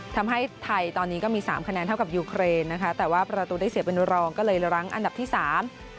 ทำให้ไทยตอนนี้ก็มีสามคะแนนเท่ากับยูเครนนะคะแต่ว่าประตูได้เสียเป็นรองก็เลยรั้งอันดับที่สาม